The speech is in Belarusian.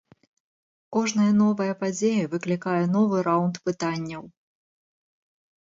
Кожная новая падзея выклікае новы раўнд пытанняў.